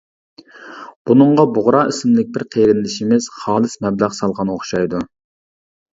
بۇنىڭغا بۇغرا ئىسىملىك بىر قېرىندىشىمىز خالىس مەبلەغ سالغان ئوخشايدۇ.